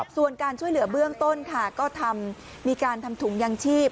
ส่วนการช่วยเหลือเบื้องต้นค่ะก็มีการทำถุงยางชีพ